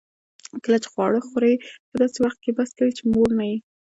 کله چي خواړه خورې؛ په داسي وخت کښې بس کړئ، چي موړ نه يې.